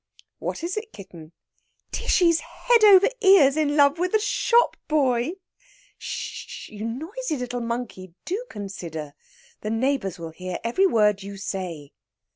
"What is it, kitten?" "Tishy's head over ears in love with the shop boy!" "Sh sh sh shish! You noisy little monkey, do consider! The neighbours will hear every word you say."